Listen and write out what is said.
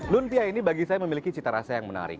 lumpia ini bagi saya memiliki cita rasa yang menarik